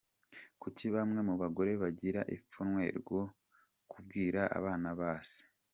Kuki bamwe mu bagore bagira ipfunwe rwo kubwira abana ba se?